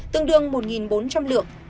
tương đương một bốn trăm linh lượng